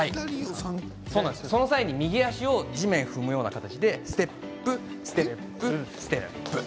その際に右足を地面踏むような形でステップを踏みます。